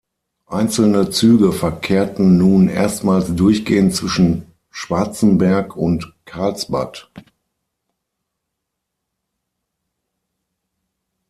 Einzelne Züge verkehrten nun erstmals durchgehend zwischen Schwarzenberg und Karlsbad.